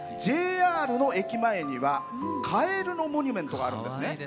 ＪＲの駅前にはカエルのモニュメントがあるんですね。